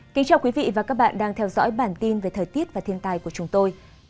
cảm ơn các bạn đã theo dõi và ủng hộ cho bản tin thời tiết và thiên tài của chúng tôi